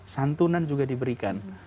santunan juga diberikan